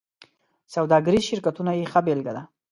سوداګریز شرکتونه یې ښه بېلګه ده.